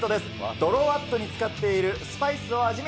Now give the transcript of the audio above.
ドロワットに使っているスパイスを味見。